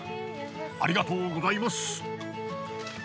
ありがとうございます。